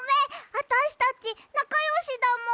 あたしたちなかよしだもん！